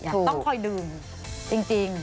ต้องคอยดื่มจริง